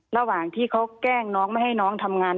ระหว่างที่เขาแกล้งน้องไม่ให้น้องทำงาน